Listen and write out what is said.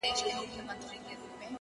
سبا چي راسي د سبــا له دره ولــوېږي ـ